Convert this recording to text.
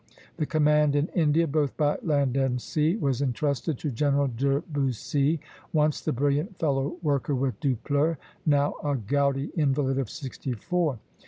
The command in India, both by land and sea, was intrusted to General de Bussy, once the brilliant fellow worker with Dupleix, now a gouty invalid of sixty four.